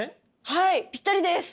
はいぴったりです！